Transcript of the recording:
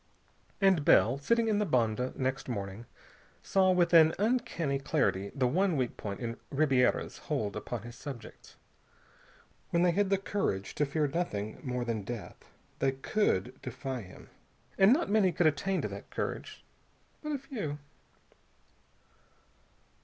And Bell, sitting in the bonde next morning, saw with an uncanny clarity the one weak point in Ribiera's hold upon his subjects. When they had courage to fear nothing more than death, they could defy him. And not many could attain to that courage. But a few....